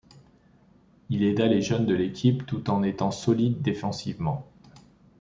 Il aida les jeunes de l'équipe tout en étant solide défensivement.